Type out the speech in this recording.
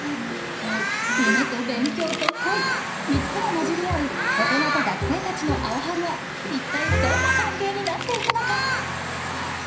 夢と勉強と恋３つが混じり合う大人と学生たちのアオハルは一体どんな関係になっていくのか？